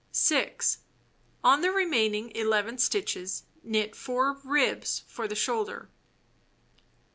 6. On the remaining 11 stitches knit 4 ribs for the shoulder.